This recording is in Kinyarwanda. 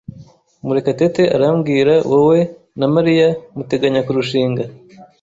Murekatete arambwira wowe na Mariya muteganya kurushinga.